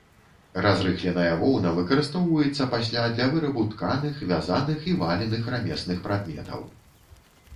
Разрыхленая воўна выкарыстоўваецца пасля для вырабу тканых, вязаных і валеных рамесных прадметаў.